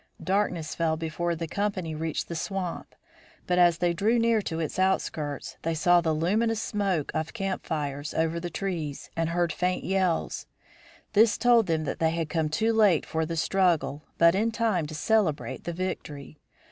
Darkness fell before the company reached the swamp, but as they drew near to its outskirts they saw the luminous smoke of camp fires over the trees and heard faint yells. This told them they had come too late for the struggle, but in time to celebrate the victory.